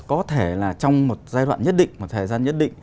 có thể là trong một giai đoạn nhất định một thời gian nhất định